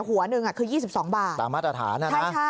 หัวหนึ่งคือ๒๒บาทสามารถอาถารณ์นะ